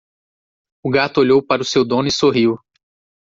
O gato olhou para o seu dono e sorriu.